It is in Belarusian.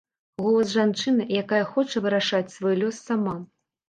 Голас жанчыны, якая хоча вырашаць свой лёс сама.